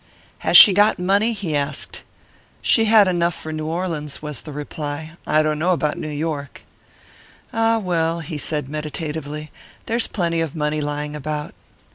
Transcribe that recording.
"Has she got money?" he asked. "She had enough for New Orleans," was the reply. "I don't know about New York." "Ah well," he said meditatively, "there's plenty of money lying about."